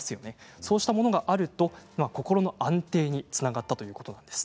そうしたものがあると心の安定につながったということです。